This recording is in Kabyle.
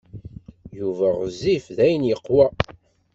Yuba ɣezzif daɣen yeqwa.